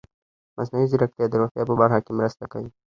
مصنوعي ځیرکتیا د روغتیا په برخه کې مرسته کوي.